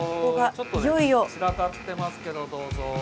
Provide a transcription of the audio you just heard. ちょっとね散らかってますけどどうぞ。